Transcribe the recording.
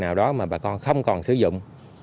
nào đó mà bà con không còn sử dụng